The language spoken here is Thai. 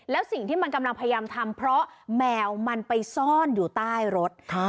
แล้วสิ่งที่มันกำลังพยายามทำเพราะแมวมันไปซ่อนอยู่ใต้รถ